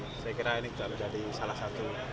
jadi saya kira ini bisa menjadi salah satu